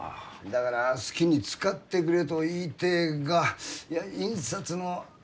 だから好きに使ってくれと言いてえがいや印刷の空きが。